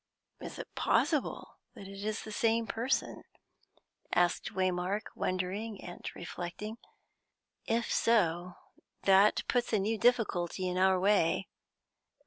"Is it possible that it is the same person?" asked Waymark, wondering and reflecting. "If so, that puts a new difficulty in our way."